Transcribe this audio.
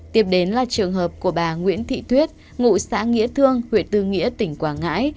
tiếp đến là trường hợp của bà nguyễn thị tuyết ngụ xã nghĩa thương huyện tư nghĩa tỉnh quảng ngãi